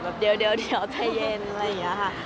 แบบเดี๋ยวใจเย็นอะไรอย่างนี้ค่ะ